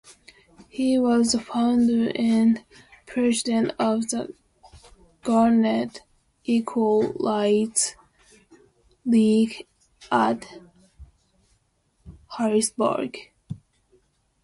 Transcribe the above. He was the founder and president of the Garnet Equal Rights League at Harrisburg.